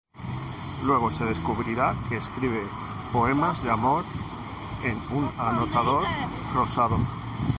Luego se descubrirá que escribe poemas de amor en un anotador rosado.